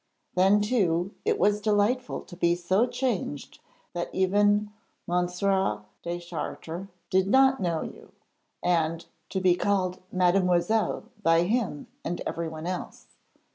Then, too, it was delightful to be so changed that even M. Deschartres did not know you, and to be called 'Mademoiselle' by him and everyone else.